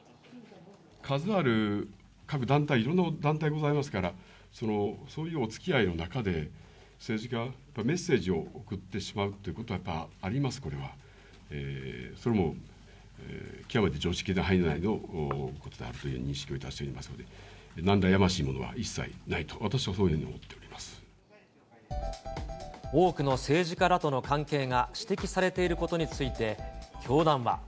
数ある各団体、いろんな団体ございますから、そういうおつきあいの中で、政治家がメッセージを送ってしまうということはやっぱりあります、これは。それも極めて常識の範囲内のことであるというふうに認識をしておりますので、なんらやましいものは一切ないと、私はそういうふう多くの政治家らとの関係が指摘されていることについて、教団は。